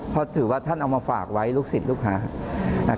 เพราะถือว่าท่านเอามาฝากไว้ลูกศิษย์ลูกค้า